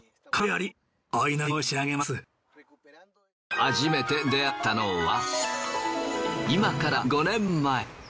初めて出会ったのは今から５年前。